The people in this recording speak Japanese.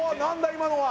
今のは。